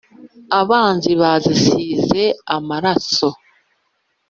abanzi bazisize amaraso.”